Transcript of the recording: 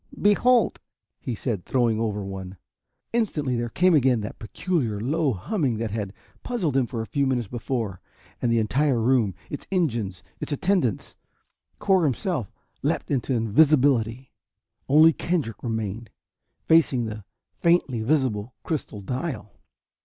"Behold!" he said, throwing over one. Instantly there came again that peculiar low humming that had so puzzled him a few minutes before and the entire room, its engines, its attendants, Cor himself, leapt into invisibility. Only Kendrick remained, facing the faintly visible crystal dial.